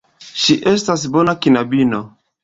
Ŝi estas bona knabino.